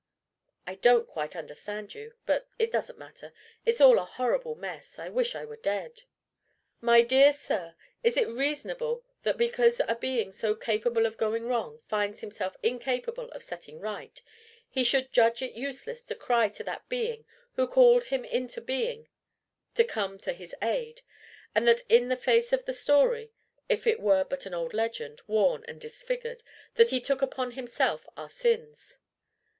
"I don't quite understand you. But it doesn't matter. It's all a horrible mess. I wish I was dead." "My dear sir, is it reasonable that because a being so capable of going wrong finds himself incapable of setting right, he should judge it useless to cry to that being who called him into being to come to his aid? and that in the face of the story if it were but an old legend, worn and disfigured that he took upon himself our sins?"